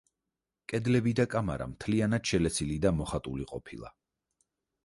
კედლები და კამარა მთლიანად შელესილი და მოხატული ყოფილა.